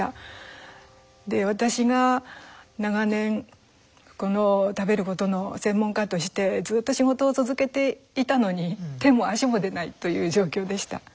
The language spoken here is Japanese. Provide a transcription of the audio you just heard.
私が長年この食べることの専門家としてずっと仕事を続けていたのに手も足も出ないという状況でした。